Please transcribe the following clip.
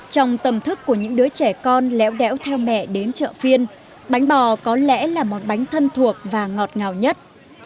trong tâm thức của những đứa trẻ con lẽo đẽo theo mẹ đến chợ phiên bánh bò có lẽ là món bánh thân thuộc và ngọt ngào nhất